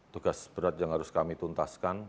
tugas berat yang harus kami tuntaskan